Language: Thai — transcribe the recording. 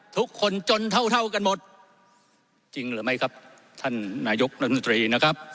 ทุกคนจนเท่าเท่ากันหมดจริงหรือไม่ครับท่านนายกรัฐมนตรีนะครับ